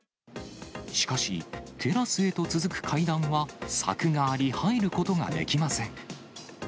しかし、テラスへと続く階段は柵があり、入ることができません。